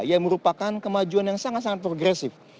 yang merupakan kemajuan yang sangat sangat progresif